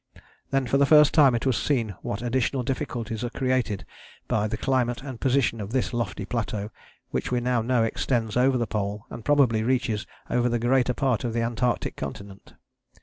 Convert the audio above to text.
Then for the first time it was seen what additional difficulties are created by the climate and position of this lofty plateau, which we now know extends over the Pole and probably reaches over the greater part of the Antarctic continent.